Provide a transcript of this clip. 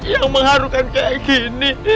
yang mengharukan kayak gini